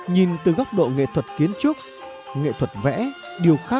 nhìn từ góc độ nghệ thuật kiến trúc nghệ thuật vẽ điêu khắc